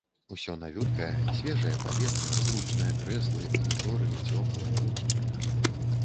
Усё навюткае, свежае паветра, зручныя крэслы, маніторы, цёпла, утульна.